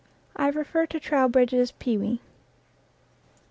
I refer to Trow bridge's "Pewee."